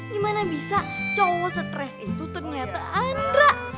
gimana bisa cowok stres itu ternyata andra